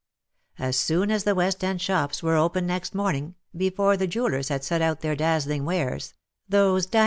As soon as the West end shops were open next morning, before the jewellers had set out their dazzling wares — those diam.